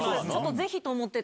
ぜひ！と思ってて。